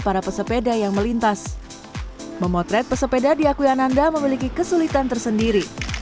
para pesepeda yang melintas memotret pesepeda diakui ananda memiliki kesulitan tersendiri